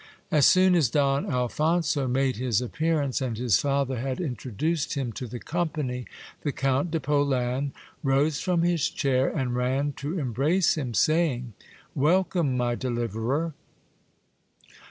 As soon as Don Alphonso made his appearance, and his father had introduced him to the company, the Count de Polan rose from his chair and ran to embrace him, saying — Welcome, my deliverer